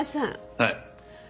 はい。